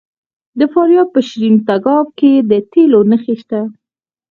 د فاریاب په شیرین تګاب کې د تیلو نښې شته.